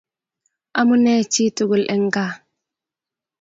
Amunee chi tugul eng' kaa?